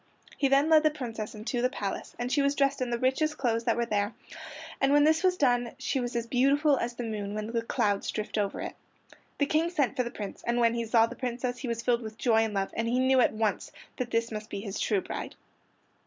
He then led the Princess into the palace, and she was dressed in the richest clothes that were there, and when this was done she was as beautiful as the moon when the clouds drift over it. The King sent for the Prince, and when he saw the Princess he was filled with joy and love, and he knew at once that this must be his true bride.